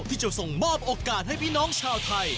ที่จะส่งมอบโอกาสให้พี่น้องชาวไทย